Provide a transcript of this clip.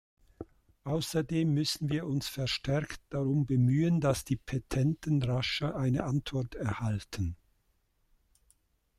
Außerdem müssen wir uns verstärkt darum bemühen, dass die Petenten rascher eine Antwort erhalten.